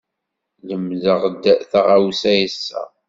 Lemdeɣ-d taɣawsa ass-a.